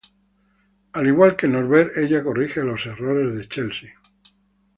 Al igual que Norbert ella corrige los errores de Chelsea.